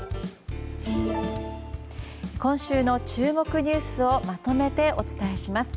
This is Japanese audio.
今週の注目ニュースをまとめてお伝えします。